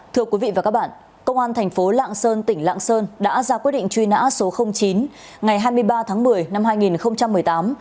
thưa quý vị và các bạn công an thành phố lạng sơn tỉnh lạng sơn đã ra quyết định truy nã số chín ngày hai mươi ba tháng một mươi năm hai nghìn một mươi tám